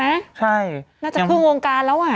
น่าจะพึ่งวงการแล้วอะ